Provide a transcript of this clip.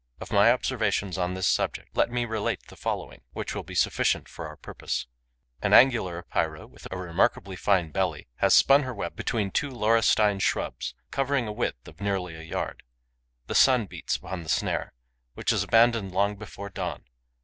Of my observations on this subject, let me relate the following, which will be sufficient for our purpose. An Angular Epeira, with a remarkably fine belly, has spun her web between two laurestine shrubs, covering a width of nearly a yard. The sun beats upon the snare, which is abandoned long before dawn.